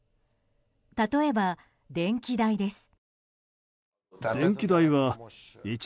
例えば電気代です。